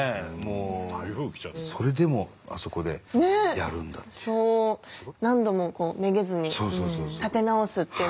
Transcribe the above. それでもあそこでやるんだっていう。